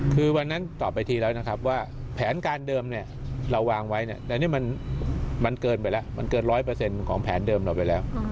คือวันนั้นตอบไปทีแล้วนะครับว่าแผนการเดิมเนี่ยเราวางไว้เนี่ยแต่นี่มันเกินไปแล้วมันเกิน๑๐๐ของแผนเดิมเราไปแล้ว